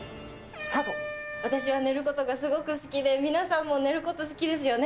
私は寝ることがすごく好きで、皆さんも寝ること好きですよね？